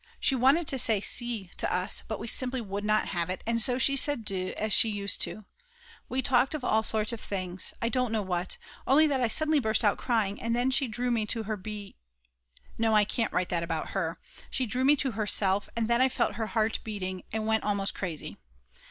She wanted to say Sie to us, but we simply would not have it, and so she said Du as she used to. We talked of all sorts of things, I don't know what, only that I suddenly burst out crying, and then she drew me to her b , no, I can't write that about her; she drew me to herself and than I felt her heart beating! and went almost crazy.